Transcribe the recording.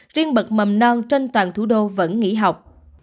riêng bậc mầm non trên toàn thủ đô vẫn nghỉ học